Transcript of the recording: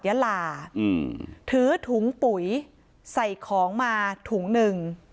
บอกว่าจะไปทำงานที่จังหวัดยลาถือถุงปุ๋ยใส่ของมาถุงหนึ่ง